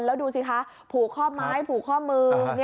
แล้วดูสิคะผูกข้อไม้ผูกข้อมือ